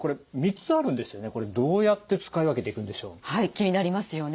気になりますよね。